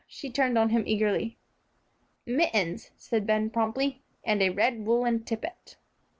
She turned on him eagerly. "Mittens," said Ben, promptly, "and a red woollen tippet."